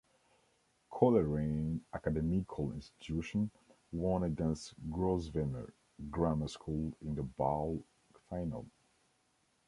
Coleraine Academical Institution won against Grosvenor Grammar School in the Bowl final.